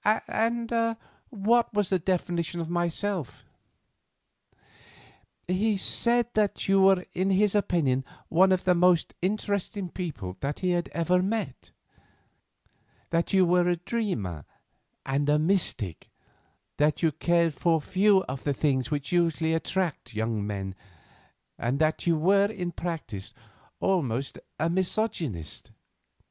And what was his definition of myself?" "He said that you were in his opinion one of the most interesting people that he had ever met; that you were a dreamer and a mystic; that you cared for few of the things which usually attract young men, and that you were in practice almost a misogynist.